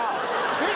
えっ